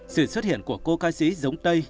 sự xuất hiện của cô ca sĩ giống tây